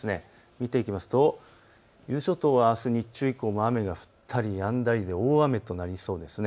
見ていきますと伊豆諸島はあす日中以降も雨が降ったりやんだり大雨となりそうです。